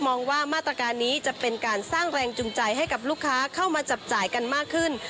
มองว่ามาตรการนี้จะเป็นการสร้างแรงจูงใจให้กับลูกค้าเข้ามาจับจ่ายกันมากขึ้น